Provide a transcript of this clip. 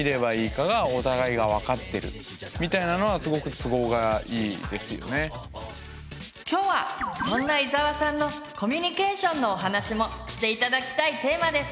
そして今日はそんな伊沢さんのコミュニケーションのお話もして頂きたいテーマです。